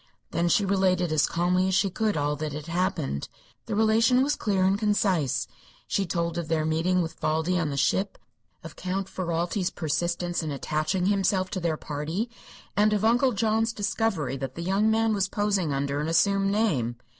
Then she related as calmly as she could all that had happened. The relation was clear and concise. She told of their meeting with Valdi on the ship, of Count Ferralti's persistence in attaching himself to their party, and of Uncle John's discovery that the young man was posing under an assumed name.